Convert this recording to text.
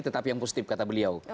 tetapi yang positif kata beliau